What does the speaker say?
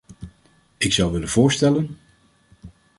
Ik zou willen voorstellen...